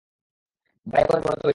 বাঁয়ে কোরের ঘনত্ব বেশি।